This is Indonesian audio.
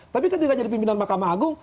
tapi ketika jadi pimpinan mahkamah agung